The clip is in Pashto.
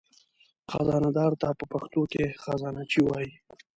خزانهدار ته په پښتو کې خزانهچي وایي.